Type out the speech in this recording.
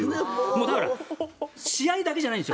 だから試合だけじゃないんです。